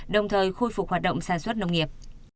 đồng thời khôi phục hoạt động sản xuất nông nghiệp